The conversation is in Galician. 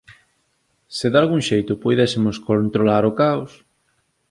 Se dalgún xeito puidésemos controlar o caos